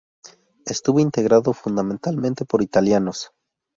Estuvo integrado fundamentalmente por italianos.